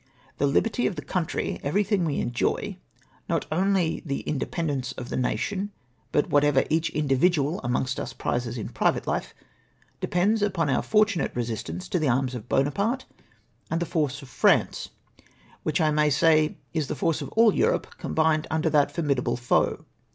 The liberty of the coun try— everything we enjoy — not only the independence of the nation, but Avhatever each individual amongst us prizes in private life, depends upon our fortunate resistance to the arms of Buonaparte and the force of France, which I may say is the force of all EurnjDe, combined under that formid able foe.